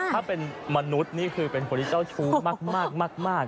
ถ้าเป็นมนุษย์นี่คือเป็นคนที่เจ้าชู้มาก